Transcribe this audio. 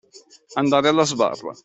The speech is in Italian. Andare alla sbarra.